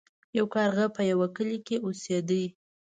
یو کارغه په یوه کلي کې اوسیده.